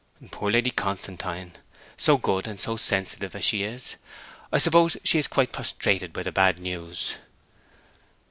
'Poor Lady Constantine, so good and so sensitive as she is! I suppose she is quite prostrated by the bad news.'